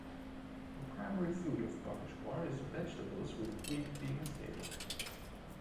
The primary food of Bageshwar is vegetables with wheat being a staple.